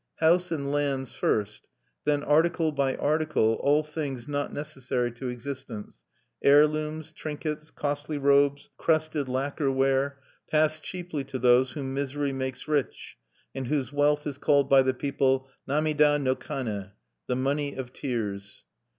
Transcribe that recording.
House and lands first, then, article by article, all things not necessary to existence heirlooms, trinkets, costly robes, crested lacquer ware passed cheaply to those whom misery makes rich, and whose wealth is called by the people Namida no kane, "the Money of Tears."